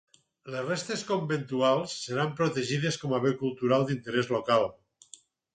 Les restes conventuals estan protegides com a bé cultural d'interès local.